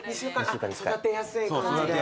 育てやすい感じで。